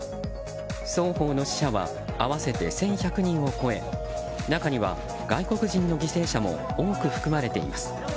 双方の死者は合わせて１１００人を超え中には外国人の犠牲者も多く含まれています。